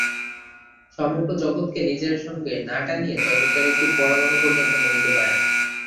সমগ্র জগৎকে নিজের সঙ্গে না টানিয়া জগতের একটি পরমাণু পর্যন্ত নড়িতে পারে না।